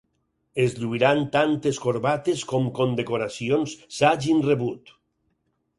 Es lluiran tantes corbates com condecoracions s'hagin rebut.